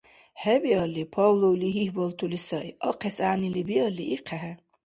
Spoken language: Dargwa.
— ХӀебиалли, — Павловли гьигьбалтули сай, — ахъес гӀягӀнили биалли, ихъехӀе!